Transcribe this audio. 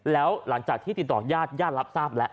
แล้วหลังจากที่ติดต่อญาติญาติรับทราบแล้ว